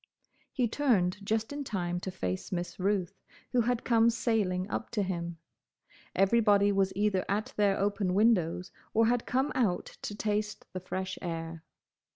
He turned just in time to face Miss Ruth, who had come sailing up to him. Everybody was either at their open windows, or had come out to taste the fresh air.